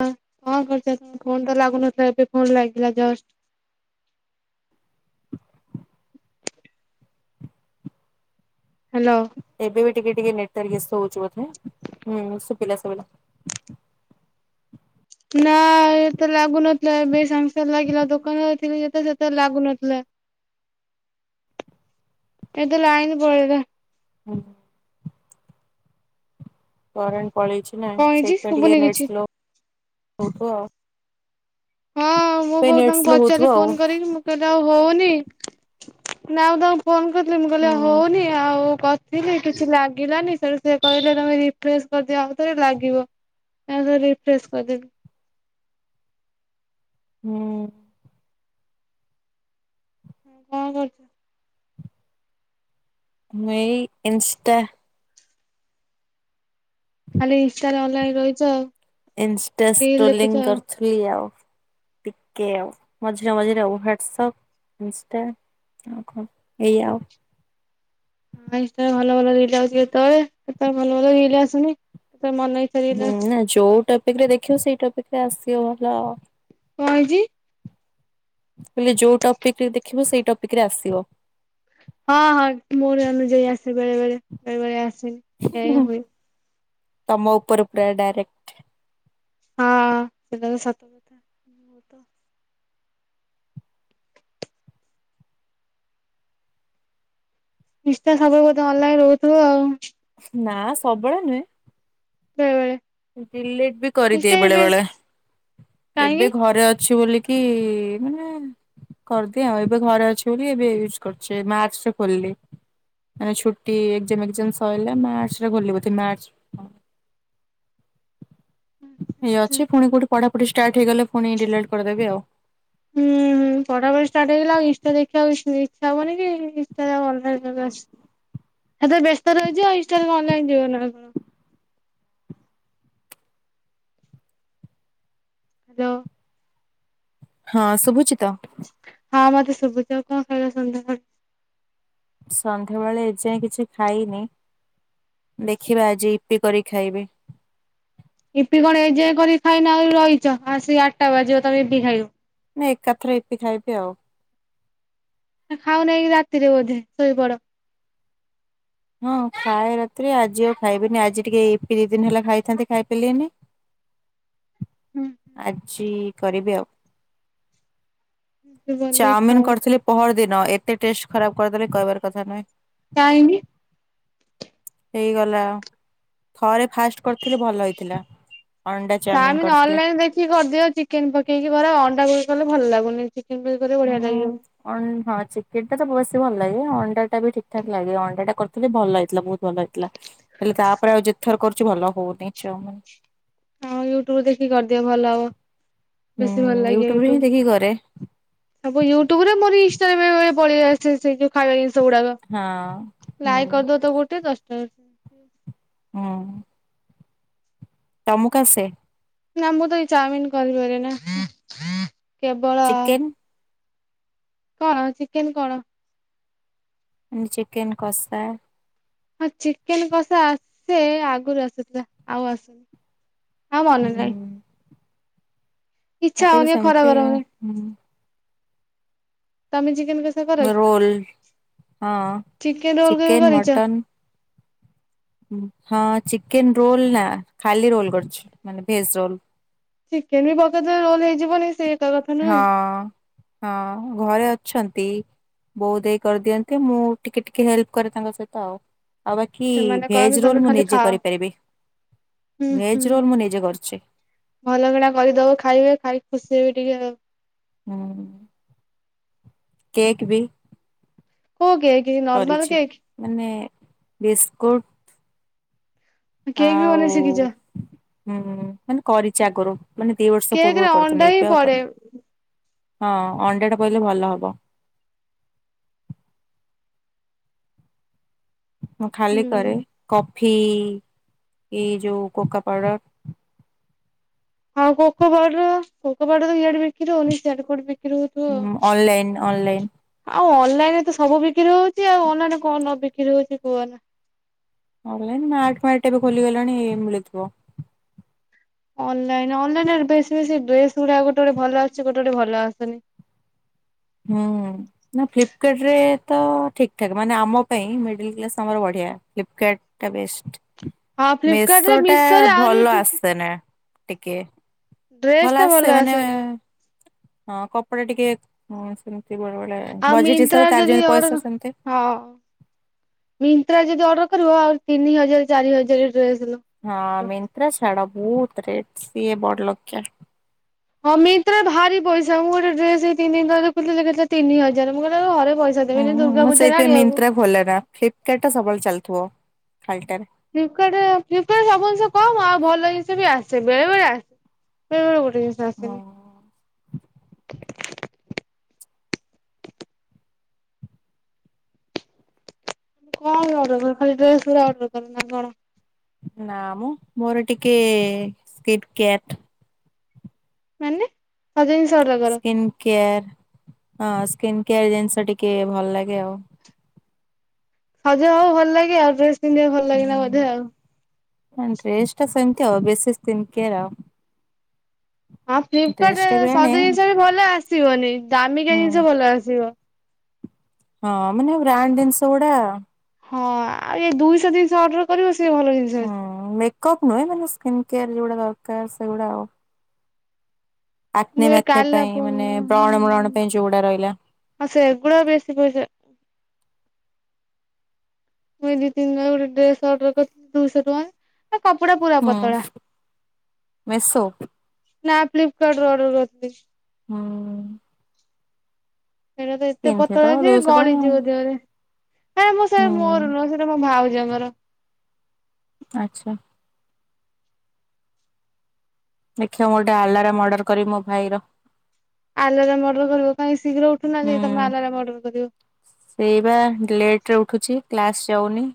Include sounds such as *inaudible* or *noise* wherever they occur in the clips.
ହଁ କଣ କରୁଛ ତୁମେ? ଫୋନ୍ ତ ଲାଗୁନଥିଲା ଏବେ ଫୋନ୍ ଲାଗିଲା ଜଷ୍ଟ। ହ୍ୟାଲୋ। ଏବେ ବି ଟିକେ ଟିକେ ନେଟୱାର୍କ ଇସ୍ୟୁ ହେଉଛି ବୋଧେ ହମ୍ ଶୁଭିଲା ଶୁଭିଲା। ନା ତ ଲାଗୁଥିଲା ଏବେ ସାଙ୍ଗେ ସାଙ୍ଗେ ଲାଗିଲା ଦୋକାନ ଯାଇଥିଲି ଯେତବେଳେ ସେତେବେଳେ ଲାଗୁନଥିଲା। ଆ ଏତ ଲାଇନ୍ ପଳେଇଲା। ହୁଁ। କରେଣ୍ଟ ପଳେଇଛି ନାଇଁ କଣ ହେଇଛି ସେଥିପାଇଁ ଟିକେ ଶୁଭୁନି ନେଟ୍ କିଛି। ସ୍ଲୋ ହେଉଥିବ ଆଉ। ହଁ ମୁଁ ସେ ବୋଉ ନେଟ ତାଙ୍କୁ ସ୍ଲୋ ପଚାରି ହଉଥିବ ଆଉ ଫୋନ୍ କରିକି ମୁ କହିଲେ ଆଉ ହଉନି ନାଁ ମୁଁ ତାଙ୍କୁ ଫୋନ୍ କରିଥିଲି ମୁଁ କହିଲି ହୁଁ ଆଉ ହଉନି ଆଉ କ କିଛି ଲାଗିଲାନି ସେଠୁ ସେ କହିଲେ ତମେ ରିଫ୍ରେସ୍ କରିଦିଅ ଆଉ ଥରେ ଲାଗିବ। ଆ ସେଠୁ ରିଫ୍ରେସ୍ କରିଦେଲି। ହୁଁ। କଣ କରୁଛ? ମୁଁ ଏଇ ଇନଷ୍ଟା। ଖାଲି ଇନଷ୍ଟା ରେ ଅନଲାଇନ ରହିଛ ଆଉ। ଇନଷ୍ଟା ରିଲ ଦେଖୁଛ ସ୍କ୍ରୋଲିଂ ଆଉ। କରୁଥିଲି ଆଉ। ଟିକେ ଆଉ ମଝିରେ ମଝିରେ ଆଉ ହ୍ଵାଟସପ୍ ଇନଷ୍ଟା। ଆଉ କଣ ଏଇଯା ଆଉ। ହଁ ଇନଷ୍ଟା ରେ ଭଲ ଭଲ ରିଲ୍ ଆଉଛି କେତେବେଳେ କେତେବେଳେ ଭଲ ଭଲ ରିଲ୍ ଆସୁନି ସେ ତାର ମନ ଇଚ୍ଛା ରିଲ୍ ହୁଁ ଆସୁଛି ନା ଯୋଉ ଟପିକ୍ ରେ ଦେଖିବ ସେଇ ଟପିକ୍ ରେ ଆସିବ ଭଲ ଆଉ। କଣ ହେଇଛି? ମୁଁ କହିଲି ଯୋଉ ଟପିକ୍ ରେ ଦେଖିବ ସେଇ ଟପିକ୍ ରେ ଆସିବ। ହଁ ହଁ ମୋର ଅନୁଯାୟୀ ଆସେ ବେଳେ ବେଳେ ବେଳେ ବେଳେ ଆସେନି ଏଇଆ ହିଁ ହୁଏ। ତମ ଉପରେ ଉପରେ ଡାଇରେକ୍ଟ। ହଁ ସେଟା ତ ସତ କ ଥା ମେର ତ ଇନଷ୍ଟା ସବୁବେଳେ ମତେ ଭଲ ଲାଗେ *inaudible* ନା ସବୁବେଳେ ନୁହେଁ। ବେଳେ ବେଳେ। ଡିଲିଟ୍ ବି କରିଦିଏ ଇନଷ୍ଟା ବି ବେଳେ ବେଳେ ବେଷ୍ଟ କାହିଁକି? ଏବେ ଘରେ ଅଛି ବୋଲି କି ମାନେ କରିଦିଏ ଆଉ ଏବେ ଘରେ ଅଛି ବୋଲି ଏବେ ୟୁଜ କରୁଛି ମାର୍ଚ୍ଚ ରେ ଖୋଲିଲି। ମାନେ ଛୁଟି ଏଗଜାମ ବେଗଜାମ ସରିଲା ମାର୍ଚ୍ଚ ରେ ଖୋଲିଲି ବୋଧେ ମାର୍ଚ୍ଚ ଏଇ ଅଛି ପୁଣି କୋଉଠି ପଢା ପଢି ଷ୍ଟାର୍ଟ ହେଇ ଗଲେ ପୁଣି ଡିଲିଟ୍ କରିଦେବି ଆଉ। ହୁଁ। ପଢା ପଢି ଷ୍ଟାର୍ଟ ହେଇଗଲେ ଆଉ ଇନଷ୍ଟା ଦେଖିବାକୁ ଇଚ୍ଛା ହବନି କି ଇନଷ୍ଟା ରେ ଆଉ ଅନଲାଇନ ରହି ଆସି ସେତେବେଳେ ତ ବ୍ୟସ୍ତ ରହିଯିବ ଆଉ ଇନଷ୍ଟା କଣ ଅନଲାଇନ ଯିବା ନା କଣ। ହ୍ୟାଲୋ। ହଁ ଶୁଭୁଛି ତ? ହଁ ମତେ ସୁଭୁଛି ଆଉ କଣ ଖାଇବା ସନ୍ଧ୍ୟା ବେଳେ? ସନ୍ଧ୍ୟା ବେଳେ ଏ ଯାଇଁ କିଛି ଖାଇନି ଦେଖିବା ଆଜି ୟିପ୍ପି କରିକି ଖାଇବି। *inaudible* ଏ ଯେ କରିକି ଖାଇନା ଆଉ ରହିଛ ଆସିକି ଆଠଟା ବାଜିବ ତମେ ବିି ଖାଇବ। ନାଇଁ ଏକାଥରେ ଏଇପି ଖାଇବି ଆଉ। ଖାଉ ନାହିଁ କି ରାତିରେ ବୋଧେ ଶୋଇପଡ? ହଁ ଖାଏ ରାତିରେ ଆଜି ଆଉ ଖାଇବିନି ଆଜି ଟିକେ ଇପି ଦିନ ହେଲା ଖାଇଥାନ୍ତି ଖାଇ ପାରିଲିନି। ହୁଁ ଇପି ଆଜି କରିବି ଆଉ। ବନେଇ ଚାଉମିିନ ଖାଉ କରିଥିଲି ପହର ଦିନ ଏତେ ଟେଷ୍ଟ ଖରାପ କରିଦେଲେ କହିବାର କଥା ନୁହେଁ। କାହିଁକି? ହେଇଗଲା ଥରେ ଫାଷ୍ଟ କରିଥିଲି ଭଲ ହେଇଥିଲା। ଅଣ୍ଡା ଚାଉମିିନ କରିଥିଲି। ଦେଖି କରଦଉ ଚି ଚିକେନ୍ ପକେଇକି କର ଅଣ୍ଡା ପକେଇ କି କଲେ ଭଲ ଲାଗୁନି। ଚିକେ ହଁ। ହଁ ଚିକେନ ଟା ତ ବେଶୀ ଭଲ ଲାଗେ। ଅଣ୍ଡା ଟା ବି ଠିକ ଠାକ୍ ଲାଗେ ଅଣ୍ଡା ଟା କରିଥିଲି ଭଲ ହେଇଥିଲା। ବହୁତ ଭଲ ହେଇଥିଲା। ହେଲେ ତାପରେ ଆଉ ଯେତ ଥର କରୁଛି ଭଲ ହଉନି ଚାଓମିନ୍। ହଁ ୟୁଟ୍ୟୁବରେ ଦେଖିକି କରିଦିଅ ଭଲ ହବ। ବେଶୀ ଭଲ ହୁଁ ଲାଗିବ ରେ ହିଁ ୟୁଟ୍ୟୁବ ଦେଖିକି କରେ ହବ ୟୁଟ୍ୟୁବ ରେ ମୋର ଇନଷ୍ଟା ରେ ବେଳେ ବେଳେ ପଳେଇଆସେ ଖାଇବା ଜିନଷ ଗୁଡ଼ାକ ହଁ ହୁଁ ଲାଇ କରଦ ତ ଗଠେ ହଁ। ତମୁକୁ ଆସେ? ନା ମୁଁ ତ ଏଇ ଚାଉମିିନ କରିପାରେନା। କେବଳ ଚିକେନ କଣ ଚିକେନ କଣ? ଆ ଚିକେନ୍ କସ୍ତା। ହଁ ଚିକେନ କଷା ଆସେ। ଆଗରୁ ଆସୁଥିଲା ଆଉ ଆସୁନି। ଆଉ ମନେ ହୁଁ ନାହିଁ। ଇଚ୍ଛା ମତେ ବି ହଉନି ବା ଖରା ସେମିତି ଗରମ ରେ। ତମେ ଚିକେନ *inaudible* ରୋଲ ହଁ ଚିକେନ ରୋଲ କେବେ କରଛ? ହଁ ଚିକେନ ରୋଲ ନା ଖାଲି ରୋଲ କରଛି ମାନେ ଭେଜ ରୋଲ। ଚିକେନ ବି ପକେଇଦେ ରୋଲ ହେଇଯିବନି ସେ ଏକା କଥା ହଁ ନୁହେଁ ହଁ ଘରେ ଅଛନ୍ତି। ବହୁତ ହେଇ କରିଦିଅନ୍ତି ମୁଁ ଟିକେ ଟିକେ ହେଲ୍ପ କରେ ତାଙ୍କ ସହିତ ଆଉ। ଆଉ ବାକି ସେମାନେ କରନ୍ତି ଭେଜ ତମେ ରୋଲ ମୁଁ ଖାଲି ନିଜେ ଖାଅ କରିପାରିବି। ହୁଁ ହୁଁ ଭେଜ ରୋଲ ମୁଁ ନିଜେ କରୁଛି। ଭଲ କିଣା କରିଦବ ଖାଇବେ ଖାଇ ଖୁସି ହେଇ ବି ଟିକେ ଆଉ। ହଁ କେକ୍ ବି। କରିଛି *inaudible* ମାନେ ବିସ୍କୁଟ କେକ୍ ବି ଆଉ ବନେଇ ଶିଖିଛ? ହୁଁ ମାନେ କରିଛି ଆଗରୁ ମାନେ ଦି ବର୍ଷ କେକ୍ ରେ ପୂର୍ବରୁ ଅଣ୍ଡା କରିଥିଲି ହିଁ ଏବେ ଆଉ ପଡେ କର ହଁ ଅଣ୍ଡା ଟା ପହିଲେ ଭଲ ହବ। ମୁଁ ଖାଲି କରେ ହୁଁ କଫି ଏଇ ଯୋଉ କୋକ ପାଉଡର। *unintelligible* ଆଉ ହଁ ଅନ୍ଲାଇନ୍ ଅନ୍ଲାଇନ୍। ଆଉ ଅନଲାଇନ ରେ ତ ସବୁ ବିକ୍ରି ହଉଛି ଆଉ। ଅନଲାଇନ ରେ କଣ ବିକ୍ରି ହଉଛି କୁହନା। ଅନଲାଇ ମାଟ ଫାଟ୍ ଏବେ ଖୋଲିଗଲେଣି ମିଳିଥିବ। ଅନଲାଇନ ଅନଲନରେ ବେଶ ବେଶୀ ଡ୍ରେସ ଗୁଡା ଗୋଟେ ଗୋଟେ ଭଲ ଆସଛି ଗୋଟେ ଗୋଟେ ଆସୁନି। ହୁଁ। ନା ଫ୍ଲିପକାର୍ଟ ରେ ତ ଠିକ ଠାକ୍ ମାନେ ଆମ ପାଇଁ ମିଡିଲ କ୍ଲାସ ଆମର ବଢିଆ। ଫ୍ଲିପକାର୍ଟ, ଟା ବେଷ୍ଟ ହଁ ଫ୍ଲିପକାର୍ଟ ରେ ମେଶୋ ଟା ମିଶୋରେ ଆହୁରି ଭଲ ଆସେନା ଟିକେ, ଡ୍ରେସ ଭଲ ଟା ଆସ ମାନେ ଆସେନା ହଁ, କପଡ଼ା ଟିକେ, ବେଳେବେଳେ ଆଉ ବଜେଟ୍ ହିସାବ ମିନ୍ତ୍ରାରେ ତାର ଯଦି ଯେମିତି ଅର୍ଡର ପଇସା ସେମିତି, ହଁ ମିନ୍ତ୍ରାରେ ଯଦି ଅର୍ଡର କରିବ ଆଉ ତିନି ହଜାର, ଚାରି ହଜାର ଡ୍ରେସ୍ ଲୋ। ହଁ, ମିନ୍ତ୍ରା ଛାଡା ବହୁତ ରେଟ୍ ସିଏ ବଡ ଲୋକିଆ। ହଁ, ମିିନ୍ତ୍ରା ଭାରି ପଇସା ମୁଁ ଗୋଟେ ଡେସ ଏଇ ତିନି ଦିନ ତଳେ ଦେଖିଥିଲି, କେତେ ତିନି ହଜାର ମୁଁ କହିଲି ଘରେ ପଇସା ହୁଁ ଦେବିନି ଦୁର୍ଗା ମୁଁ ପୂଜାରେ ସେଇଥିପାଇଁ ଆଣିବାକୁ। ମିନ୍ତ୍ରା ଖୋଲେନା, ଫ୍ଲିପକାର୍ଟଟା ସବୁବେଳେ ଚାଲିଥିବ ଖାଲଟାରେ। ଫ୍ଲିପକାର୍ଟ ରେ ଫ୍ଲିପକାର୍ଟରେ ସବୁ ଜିନିଷ କମ, ଆଉ ଭଲ ଜିନିଷ ବି ଆସେ। ବେଳେ, ବେଳେ ଆସେ ବେଳେବେଳେ ଭଲ ଡ୍ରେସ ଆସେନି। ହଁ। *inaudible* କଣ ଅର୍ଡର କରିବ ଖାଲି ଡ୍ରେସ ଗୁରା ଅର୍ଡର କରେ ନା କଣ? ନା ମ ମୋର ଟିକେ ସ୍କିନ୍ କେୟାର୍ଟ। ମାନେ ସଜ ଜିନିଷ ଅର୍ଡର କର? ସ୍କିନ୍ କେୟାର ହଁ, ସ୍କିନ୍ କେୟାର ଜିନିଷ ଟିକେ ଭଲ ଲାଗେ ଆଉ। ସଜ ହବାକୁ ଭଲ ଲାଗେ ଆଉ, ଡ୍ରେସ ପିନ୍ଧିବା କୁ ଭଲ ଲାଗେନା ବୋଧେ ଆଉ। ହଁ ଡ୍ରେସ ଟା ସେମତି ଆଉ, ବେସି ସ୍କିନ କେୟାର ଆଉ। ହଁ ଫ୍ଲିପକାର୍ଟ ଡ୍ରେସ ଟା ରେ ବି ସବୁ ଆଣେ ଜିନିଷ ବି ଭଲ ଆସିବନି, ଦାମିକା ହୁଁ ଜିନିଷ ଭଲ ଆସିବ। ହଁ ମାନେ ବ୍ରାଣ୍ଡ ଜିନିଷ ଗୁଡା। ହଁ, ଆ ଏଇ ଦୁଇଶହ, ତିନିଷ ଅର୍ଡର କରିବ ସେ ଭଲ ଜିନିଷ ହୁଁ, ଆସିବ। ମେକଅପ୍ ନୁହେଁ ମାନେ ସ୍କିନ୍ କେୟାର ଯଉଗୁଡାକ ଦରକାର ସେଗୁଡା ଆଉ। ମୁଁ ଆକ୍ନେ, ଏ ମାକ୍ନେ କାଲା ପାଇଁ ଆଉ ମାନେ ବ୍ରଣ ବ୍ରଣ ପାଇଁ ଯୋଉଗୁଡା ରହିଲା। ହିଁ ସେଗୁଡ଼ା ବେଶୀ ପଇସା। ମୁଁ ଏଇ ଦି, ତିନି ରେ ମୁଁ ଗୋଟେ ଡ୍ରେସ ଅର୍ଡର କରିଥିଲି ଦୁଇଶହ ଟଙ୍କା ଆଉ କପଡା ପୁରା ହୁଁ ପତଳା। ମେସୋ? ନା, ଫ୍ଲିପକାର୍ଟ ରୁ ଆର୍ଡର କରିଥିଲି। ହୁଁ, ସେଇଟା ତ ଏତେ କିଣିଥିଲି ତ ପତଳା ଅଛି ଦୁଇଶହ ଟଙ୍କା ଗଳିଯିବ ଦେହରେ। ଆ ମୁଁ ସେ ହୁଁ ମୋର ନୁହଁ ସେ, ମୋ ଭାଉଜ ଙ୍କର। ଆଚ୍ଛା। ଦେଖିଆ ମୁଁ ଗୋଟେ ଆଲାରାମ ଅର୍ଡର କରିବି ମୋ ଭାଇ ର। ଆଲାରାମ୍ ଅର୍ଡର କରବ କାଇଁ ଶୀଘ୍ର ଉଠୁନାହାନ୍ତି ତମେ ଆଲାରାମ୍ ଅ ର୍ଡର କରିବ? ଏଇ ବା ଲେଟ ରେ ଉଠୁଛି, କ୍ଲାସ୍ ଯାଉନି।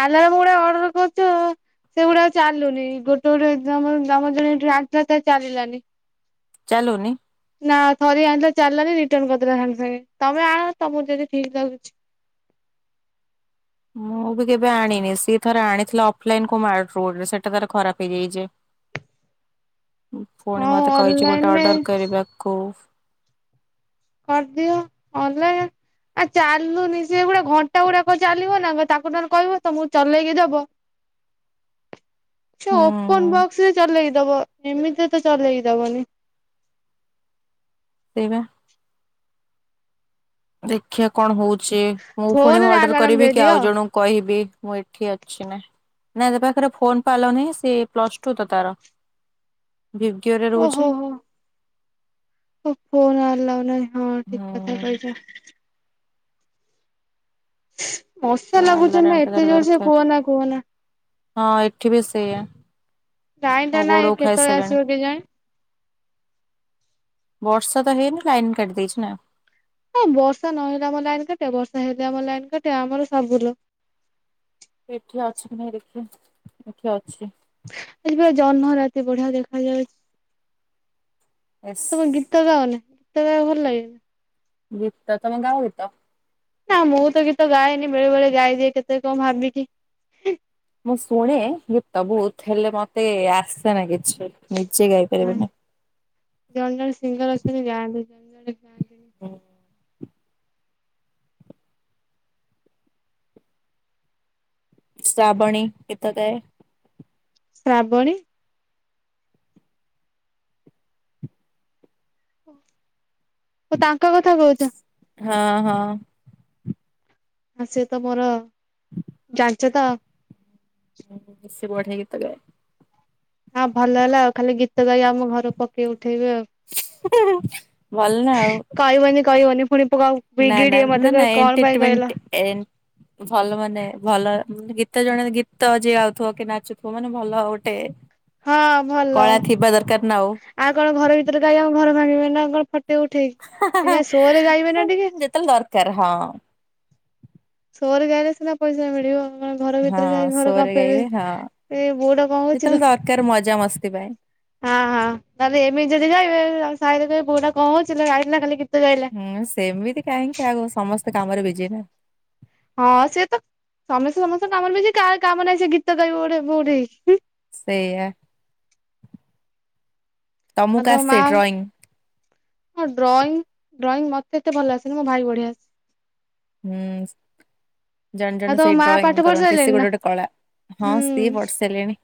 ଆଲାରାମ ଗୁଡା ଅର୍ଡର କରୁଚ। ସେଗୁଡା ଆଉ ଚାଲୁନି ଗୋଟେ, ଗୋଟେ ଆମର ଜଣେ ଟାଟର ଚାଲିଲାନି *unintelligible* ଚାଲୁନିି? ନା ଥରିଏ ଆଣିିଲେ ଚାଲିଲାନି ରିଟର୍ନ କରିଦେଲା ସାଙ୍ଗେ ସାଙ୍ଗେ ତମେ ଆଣ ତମକୁ ଯଦି ଠିକ ଲାଗୁଛି? ମୁଁ ବି କେବେ ଆଣିନି। ସିଏ ଥରେ ଆଣିଥିଲା ଅଫଲାଇନ କୋଉ ମାର୍ଟ ରେ ସେଇଟା ତାର ଖରାପ ହେଇଯାଇଛି। ପୁଣି ହଁ ମତେ କହିଛି ଗୋଟେ ଅନଲାଇନରେ ଅର୍ଡର କରିବାକୁ। କରିଦିଅ। ଅନଲାଇନ ଆ ଚାଲୁନି ସେ ଗୁଡା ଘଣ୍ଟା ଗୁଡାକଣ ଚାଲିବ ନା ତାକୁ କହିବ ତ ମୁଁ ଚଲେଇକି ଦବ, *inaudible* ସେ ହୁଁ ଓପନ ବକ୍ସ ରେ ଚଲେଇକି ଦବ। ଏମିତିରେ ତ ଚଲେଇକି ଦବନି। ସେଇବା। ଦେଖିଆ କଣ ହଉଛି, ମୁଁ ପୁଣି ଫୋନରେ ଅର୍ଡର ଆଲାରାମ କରିବି କି ଦେଇଦିଅ ଆଉ ଜଣଙ୍କୁ, କହିବି ମୁଁ ଏଠି ଅଛି ନା। ନାଇ ତା ପାଖରେ ଫୋନ ପା ହେଲାନି ସେ ପ୍ଲସ ଟୁ ତ ତାର। ଭିିବିଓରେ ରହୁଚି। ହ ଫୋନ ଆଲଉ ନାହିଁ ହଁ ଠିକ କଥା ହୁଁ। କହୁଚ। ତ ମଶା ଲାଗୁଚନ୍ତି ଆଲାରାମ ନା ଟା ତାର ଏତେ ଜୋର ସେ ଦରକାର କୁହନା କୁହନା। ହଁ ଏଠି ବି ସେଇଆ। ଲାଇନ ଟା ମୋ ନାଇଁ ଗୋଡ କେତେବେଳେ ଖାଇସାଇଲେଣି। ଆସିବ କେଜାଣି। ବର୍ଷା ତ ହେଇନି ଲାଇନ କାଟିଦେଇଚି ନା? ଏ ବର୍ଷା ନହେଲେ ଆମର ଲାଇନ କଟା ବର୍ଷା ହେଲେ ଆମ ଲାଇନ କଟା ଆମର ସବୁ ଲ ଏଠି ଅଛି କି ନାଇଁ ଦେଖିଆ ଏଠି ଅଛି। ଏଇଠି ପୁରା ଜହ୍ନ ରାତି ବଢିଆ ଦେଖା ଯାଉଚି। ଏସ୍ ତମ ଗୀ ଗୀତ ଗାଅନି। ଗୀତ ଗାଇବାକୁ ଭଲ ଲାଗେନି? ବୁତା, ତମେ ଗାଁ ବୁ ତା। ହଁ ମୁଁ ତ ଗୀତ ଗାଏନି। ବେଳେ ବେଳେ ଗାଏ ଯେ କେତେ କଣ ଭାବିକି। ମୁଁ ଶୁଣେ ଗୀତ ବହୁତ ହେଲେ ମତେ ଆସେ ନା କିଛି। ନିଜେ ଗାଇପାରିବିନି। ଜଣେ ଜଣେ ସିନ୍ଗର ଆସିକି ଗାଆନ୍ତି ଜଣେ ଜଣେ ଗାଁ *unintelligible* ଶ୍ରାବଣୀ ଗୀତ ଗାଏ। ଶ୍ରାବଣୀ। ଓ, ଓ ତାଙ୍କ କଥା କହୁଚ। ହଁ ହଁ। ଆ ସେ ତ ମୋର ଜାଣିଚ ତ। ଉଁ ଉଁ ସେ ବଢ଼ିଆ ଗୀତ ଗାଏ। ଆ ଭଲ ହେଲା ଆଉ ଖାଲି ଗୀତ ଗାଇ ଆମ ଘର ପକେଇ ଉଠେଇବେ ଆଉ। ଭଲ ନା ଆଉ। କହି ବନି କହି ବନି। ପୁଣି ପୁଅ ବିଗିଡ଼ିବ ମତେ କହିବ କଣ ପାଇଁ ଇଂ କହିଲ। ଏନ୍ ଭଲ ମାନେ ଭଲ ଗୀତ ଜଣେ ଗୀତ ଯିଏ ଗାଉଥିବ କି ନାଚୁଥିବ ମାନେ ଭଲ ଗୋଟେ ହଁ, ଭଲ। କଳା ଥିବା ଦରକାର ନା ଆଉ କଣ ଘର ଭିତରେ ଗାଇବ ଆ ଘର ଭାଙ୍ଗିବ ନା କଣ ଫ ଟ ଉଠେଇ ଏ ଯା ସୋରେ ଗାଇବେ ନା ଟିକେ। ତାଙ୍କୁ ଦରକାର ହଁ। ସୋରେ ଗାଇଲେ ସିନା ପଇସା ମିଳିବ। ଆଉ କଣ ଘର ଭିତରେ ହଁ ରହି ଘର ସୋରେ କମ୍ପେଇଇବେ, ଗାଇବେ ହଁ ଇବେ ଏ ବୋଉଟା କଣ କରୁଚି ଯେତେବେଳେ ଲୋ। ଦରକାର ମଜା ମସ୍ତି ପାଇଁ। ହଁ ହଁ ତାହେଲେ ଏମି ଯଦି ଗାଇବେ ତାଙ୍କ ସାଇ ରେ ବୋଉଟା କଣ ହଉଚି ଲୋ ଯାଇଥିଲା କାଲି ଗୀତ ଗାଈଲ ହୁଁ ସେମିତି କାହିଁକି ଆଗ ସମସ୍ତେ କାମରେ ବିଜି ନା। ହଁ ସେ ତ ସମସ୍ତେ ସମସ୍ତଙ୍କ କାମରେ ବିଜି। କାହାର କାମ ନାହିଁ ସେ ଗୀତ ଗାଇେ ବ ଗୋଟେ କଉଠି? ସେଇଆ। ଆଉ ତମକୁ ତମ ମା। ଆସେ ଡ୍ରଇଂ? ହଁ। ଡ୍ରଇଂ ଡ୍ରଇଂ ମତେ ଏତେ ଭଲ ଆସେନି, ମୋ ଭାଇ କି ବଢିଆ ଆସେ। ହୁଁ। ଜଣେ ଆଉ ଜଣେ ତୋ ସେଇ ମା ଡ୍ରଇଂ ପାଠ ପଢି କରନ୍ତି। ସିଏ ସାରିଲେଣି ଗୋଟେ ନା? ଗୋଟେ କଳା। ହଁ ସିଏ ହୁଁ ବଟ ସାରିଲେଣି।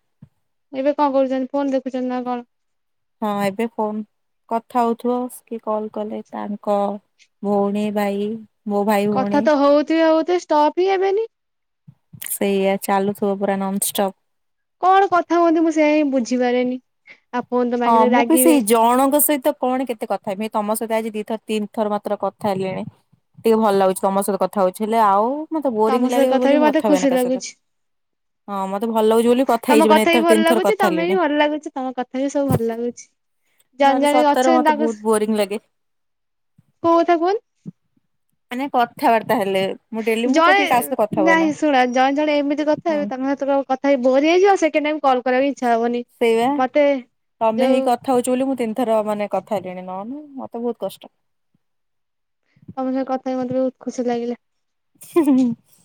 ଏବେ କଣ କରୁଚନ୍ତି ଫୋନ୍ ଦେଖୁଚନ୍ତି ନା କଣ? ହଁ, ଏବେ ଫୋନ୍ କଥା ହଉଥିବ କି କଲ କଲେ ତାଙ୍କ ଭଉଣୀ ଭାଇ ମୋ ଭାଇ କଥା ଭଉଣୀ ତ ହଉଥିବେ ହଉଥିବେ ଷ୍ଟପ୍ ହିଁ ହେବେନି। ସେଇଆା ଚାଲୁଥିବ ପୁରା ନନଷ୍ଟପ୍। କଣ କଥା ହୁଅନ୍ତି ମୁଁ ସେୟା ହିଁ ବୁଝିପାରେନି ଆପ୍ ହଁ- ମୁଁ ବି ସେଇ ଜଣଙ୍କ ସହିତ କଣ କେତେ କଥା ହେବି ତମ ସହିତ ଆଜି ଦିଥର ତିନିଥର ମାତ୍ର କଥା ହେଲିଣି ଟିକେ ଭଲ ଲାଗୁଚି ତମ ସହିତ କଥା ହଉଚି ହେଲେ ଆଉ ମତେ ତମ ବୋରିଙ୍ଗ୍ ସହ ଲାଗିବ ବୋଲି ବି ମୁଁ ମତେ କଥା ଖୁସି ହୁଏନି କା ସହିତ। ଲାଗୁଛି। ହଁ ମତେ ଭଲ ଲାଗୁଚି ବୋଲି କଥା ତମ ହେଇଯିବାଣି ବି ଏଥର ଭଲ ତିନି ଥର ଲାଗୁଛି କଥା ତମେ ବି ହେଲିଣି ଭଲ ଲାଗୁଛି ତମ କଥା ବି ସବୁ ଭଲ ଲାଗୁଛି। ଜଣେ ନହେଲେ ଜଣେ ସତରେ ଅଛନ୍ତି ମୋତେ ତାଙ୍କ ବହୁତ୍ ବୋରିଙ୍ଗ୍ ଲାଗେ। କଉ କଥା କୁହନି? ମାନେ କଥାବାର୍ତ୍ତା ହେଲେ ମୁଁ ଡେଲି ମୁଁ ଜଣେ ଟୋଟାଲି କାହା ସହିତ କଥା ହୁଏନା ନାଇଁ ଶୁଣ ଜଣେ ଜଣେ ଏମିତି କଥା ହୁଁ ହେବେ ତମେ *unintelligible* କ କଥା ହେଇ ବୋର୍ ହେଇଯିବ ଆଉ ସେକେଣ୍ଡ୍ ଟାଇମ୍ କଲ୍ କରିବାକୁ ଇଚ୍ଛା ହବନି। ସେଇବା ମତେ ତମେ ହେଇ ଯୋଉ କ କଥା ହଉଚି ବୋଲି ମୁଁ ତିନି ଥର ମାନେ କଥା ହେଲିଣି ନହେଲେ ମତେ ବହୁତ୍ କଷ୍ଟ। ତମ ସାଙ୍ଗେ କଥା ହେଇ ମତେ ବହୁତ୍ ଖୁସି ଲାଗିଲା। *inaudible*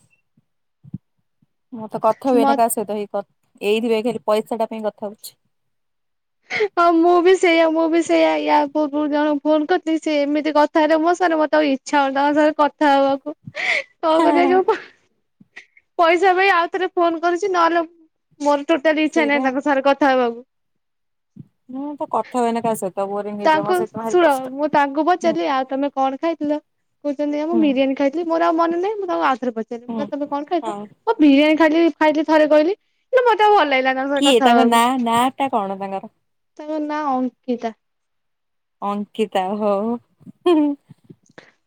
ମୁଁ ତ କଥା ହୁଏନି କାହା ମତେ ସହିତ ହେଇ କଥ୍-ଏଇଥି ପାଇଁ ଖାଲି ପଇସା ଟା ପାଇଁ କଥା ହଉଚି। ହଁ- ମୁଁ ବି ସେଇୟା ମୁଁ ବି ସେଇୟା ୟା ପୂର୍ବ ରୁ ଜଣେ ଫୋନ୍ କରିଚି ସେ ଏମିତି କଥା ହେଲେ ମୋ ସାଙ୍ଗରେ ମତେ ଆଉ ଇ ଇଚ୍ଛା ହଉନି ତାଙ୍କ ସାଙ୍ଗେ କଥା ହବାକୁ। କଣ ହାଁ କରିବା ହାଁ ଯଉ ପଇସା ପାଇଁ ଆଉ ଥରେ ଫୋନ୍ କରୁଚି ନହେଲେ ମୋର ଟୋଟାଲି ଇଚ୍ଛା ସେଇଟା ନାହିଁ ତାଙ୍କ ସାଙ୍ଗରେ କଥା ହବାକୁ। ମୁଁ ତ କଥା ହୁଏନି କାହା ସହିତ୍। ତାଙ୍କୁ ଶୁଣ ମୁଁ ତାଙ୍କୁ ହୁଁ ପଚାରିଲି ଆଉ ତମେ କଣ ଖାଇଥିଲ କହୁଚନ୍ତି ଆ- ମୁଁ ହୁଁ ବିରିୟାନୀ ଖାଇଥିଲି ମୋର ଆଉ ମନେ ନାହିଁ ମୁଁ ତାଙ୍କୁ ଆଉ ଥରେ ହୁଁ ପଚାରିଲି ତମେ କଣ ଖାଇଥିଲ ହଁ ମୁଁ ପା ବିରିୟାନୀ ଖାଇଥୀଲିି -ଖାଇଥିଲି ଥରେ କହିଲି ନା ମତେ ଆଉ ଭଲ ଲାଗିଲାନି। ତାଙ୍କ ସହ କିଏ କଥା ହବାକୁ ନାଁ ନାଁ ଟା କଣ ତାଙ୍କର? ତାଙ୍କ ନାଁ ଅଙ୍କିତା। ଅଙ୍କିତା ଓ ହୋ ହୋ।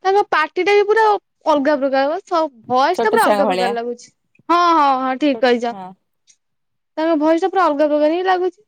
ତାଙ୍କ ପାଟି ଟା ବି ପୁରା ଅଲଗା ପ୍ରକାର ଭଏସ୍ ଛୋଟ ଟା ପୁରା ଛୁଆଙ୍କ ଅଲଗା ଭଳିଆ ପ୍ରକାର ଲାଗୁଚି। ଠିକ୍ କହିଚ ହଁ। ତାଙ୍କ ଭଏସ୍ ଟା ପୁରା ଅଲଗା ପ୍ରକାର ହିଁ ଲାଗୁଚି।